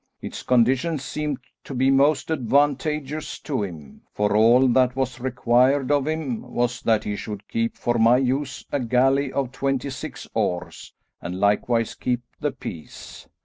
Its conditions seemed to be most advantageous to him, for all that was required of him was that he should keep for my use a galley of twenty six oars, and likewise keep the peace.